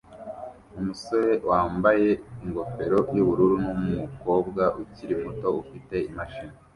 Umusore wambaye ingofero yubururu numukobwa ukiri muto ufite imashini